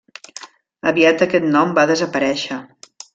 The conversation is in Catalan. Aviat aquest nom va desaparèixer.